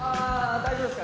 大丈夫ですか？